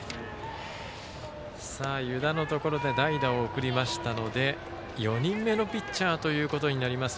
湯田のところで代打を送りましたので４人目のピッチャーとなります